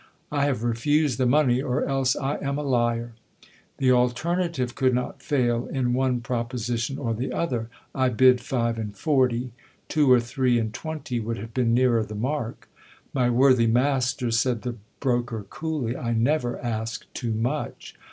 I have refused the money, or else I am a liar. The alternative could not fail in one proposi tion or the other. I bid five and forty : two or three and twenty would have been nearer the mark. My worthy master, said the broker coolly, I never ask too much.